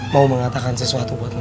mau mengatakan sesuatu buat lo